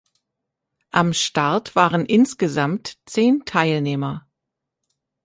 Am Start waren insgesamt zehn Teilnehmer.